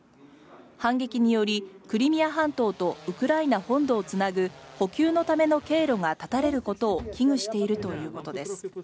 反撃によりクリミア半島とウクライナ本土をつなぐ補給のための経路が断たれることを危惧しているということです。